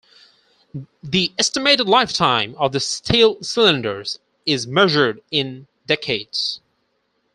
The estimated lifetime of the steel cylinders is measured in decades.